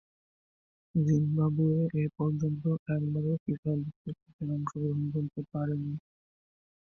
Zimbabwe এপর্যন্ত একবারও FIFA বিশ্বকাপে অংশগ্রহণ করতে পারেনি।